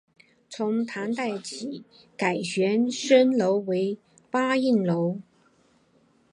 从唐代起改玄畅楼为八咏楼。